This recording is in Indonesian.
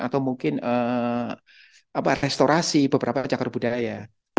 atau mungkin restorasi beberapa cakar budaya